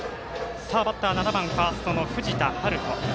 バッター７番ファーストの藤田陽斗。